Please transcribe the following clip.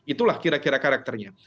itulah kira kira karakternya